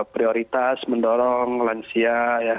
prioritas mendorong lansia ya